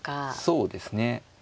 そうですね。